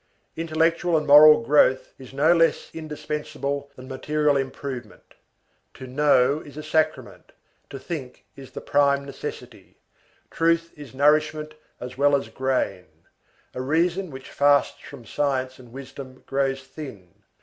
Intellectual and moral growth is no less indispensable than material improvement. To know is a sacrament, to think is the prime necessity, truth is nourishment as well as grain. A reason which fasts from science and wisdom grows thin.